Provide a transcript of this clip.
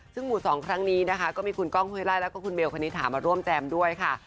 ซึ่งหมู่๒ครั้งนี้นะคะก็มีคุณก้องห้วยไล่แล้วก็คุณเบลคณิตถามาร่วมแจมด้วยค่ะ